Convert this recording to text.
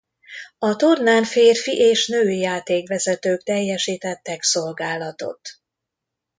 A tornán férfi és női játékvezetők teljesítettek szolgálatot.